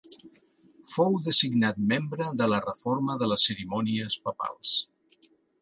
Fou designat membre de la Reforma de les Cerimònies Papals.